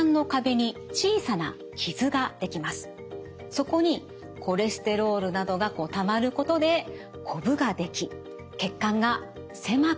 そこにコレステロールなどがたまることでこぶができ血管が狭くなっていきます。